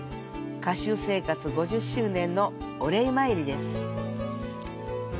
歌手生活５０周年の御礼参りです。